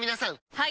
はい！